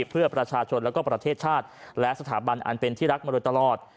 เพื่อประชาชนและประเทศชาติและสถาบันอันเป็นที่รักมาโดยตลอด